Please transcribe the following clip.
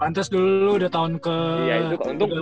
lantas dulu udah tahun ke